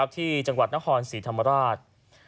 ที่จังหวัดนครศรีธรรมราช